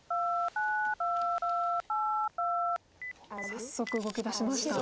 早速動きだしました。